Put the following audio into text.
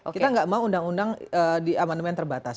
kita nggak mau undang undang di amandemen terbatas